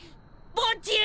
ボッジ！